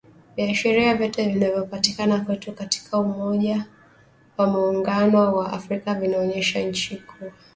Viashiria vyote vinavyopatikana kwetu katika umoja wa muungano wa afrika vinaonyesha kuwa nchi iko kwenye hatari kubwa.